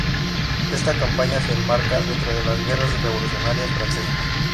Esta campaña se enmarca dentro de las Guerras revolucionarias francesas.